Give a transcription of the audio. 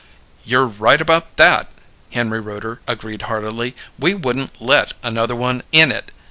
"You're right about that!" Henry Rooter agreed heartily. "We wouldn't let another one in it.